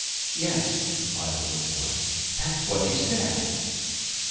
"Yes," replied the little boy, "that's what you said."